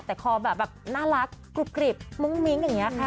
แต่คอแบบน่ารักกรุบกริบมุ้งมิ้งอย่างนี้ค่ะ